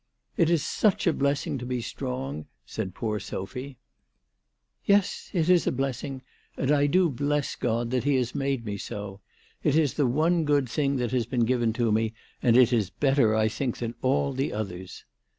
" It is such a blessing to be strong," said poor Sophy. " Yes ; it is a blessing. And I do bless God that he has made me so. It is the one good thing that has been given to me, and it is better, I think, than all the others."